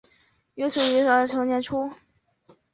约卒于隋朝开国初年。